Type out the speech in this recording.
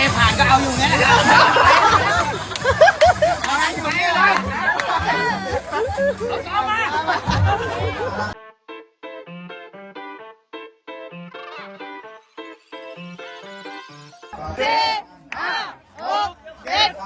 สิ่งงี้ดังสมดับมาเปิดข่าวของคูณมาฟิร์ม